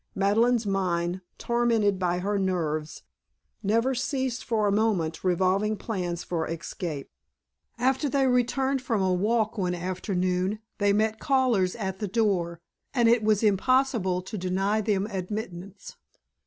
Madeleine's mind, tormented by her nerves, never ceased for a moment revolving plans for escape. As they returned from a walk one afternoon they met callers at the door and it was impossible to deny them admittance.